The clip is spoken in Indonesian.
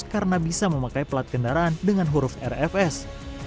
karena bisa memakai plat kendaraan dengan huruf rfs